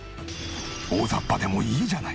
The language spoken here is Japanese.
大ざっぱでもいいじゃない！